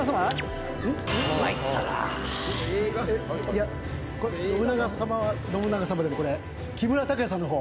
いや信長様は信長様でもこれ木村拓哉さんの方。